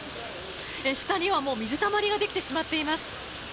下にはもう、水たまりができてしまっています。